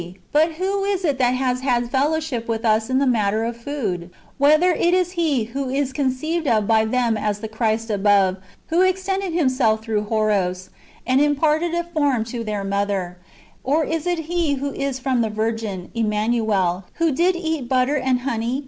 But who is it that has had fellowship with us in the matter of food ? Whether is it he who is conceived of by them as the Christ above, who extended himself through Horos, and imparted a form to their mother ; or is it He who is from the Virgin, Emmanuel, who did eat butter and honey,^ ^ So the Syriac.